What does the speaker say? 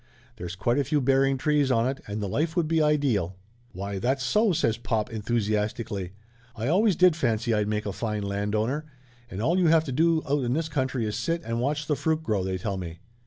There's quite a few bearing trees on it, and the life would be ideal." "Why, that's so !" says pop enthusiastically. "I al ways did fancy I'd make a fine landowner. And all you have to do out in this country is sit and watch the fruit grow, they tell me."